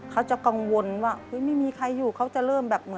เขาจะกังวลว่าไม่มีใครอยู่เขาจะเริ่มแบบ